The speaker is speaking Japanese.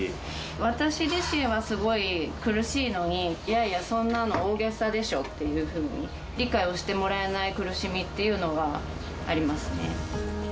私自身はすごい苦しいのに、いやいや、そんなの大げさでしょっていうふうに理解をしてもらえない苦しみっていうのはありますね。